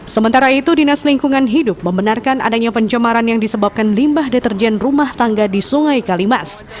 sementara itu dinas lingkungan hidup membenarkan adanya pencemaran yang disebabkan limbah deterjen rumah tangga di sungai kalimas